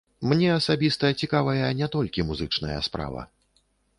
Мне асабіста цікавая не толькі музычная справа.